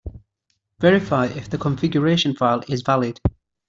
Verify if the configuration file is valid.